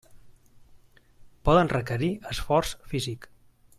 Poden requerir esforç físic.